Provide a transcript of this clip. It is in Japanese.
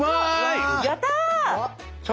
やった！